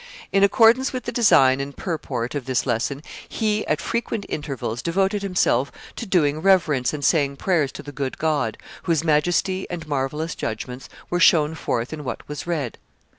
... In accordance with the design and purport of this lesson, he at frequent intervals devoted himself to doing reverence and saying prayers to the good God, whose majesty and marvellous judgments were shown forth in what was read.